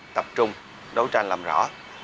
tập trung đấu tranh làm rõ